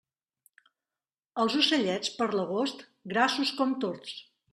Els ocellets, per l'agost, grassos com tords.